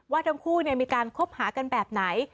ว่าทั้งคู่มีการคบหากันแบบไหน